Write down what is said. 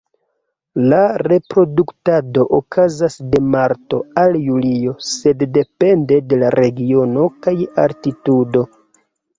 La reproduktado okazas de marto al julio, sed depende de la regiono kaj altitudo.